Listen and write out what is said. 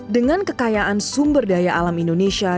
dengan kekayaan sumber daya alam indonesia